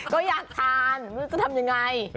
ก็อยากทานไม่รู้จะทำยังไง